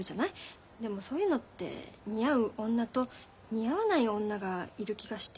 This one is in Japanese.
でもそういうのって似合う女と似合わない女がいる気がして。